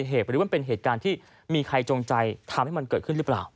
หรือมันเป็นเหตุการณ์ที่มีใครจงใจทำให้มันเกิดขึ้นหรือเปล่า